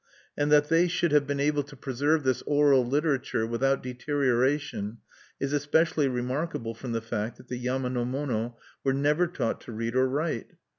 And that they should have been able to preserve this oral literature without deterioration is especially remarkable from the fact that the yama no mono were never taught to read or write.